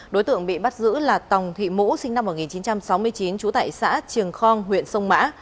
đối tượng bị bắt giữ là tòng thị mũ sinh năm một nghìn chín trăm sáu mươi chín trú tại xã triềng khong huyện sông mã